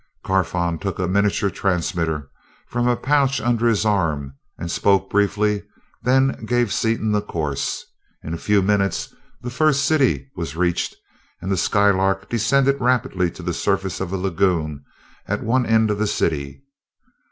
Carfon took a miniature transmitter from a pouch under his arm and spoke briefly, then gave Seaton the course. In a few minutes, the First City was reached, and the Skylark descended rapidly to the surface of a lagoon at one end of the city.